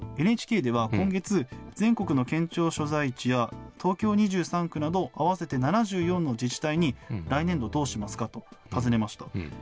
ＮＨＫでは今月、全国の県庁所在地や東京２３区など、合わせて７４の自治体に、来年度どうしますかと尋ねました。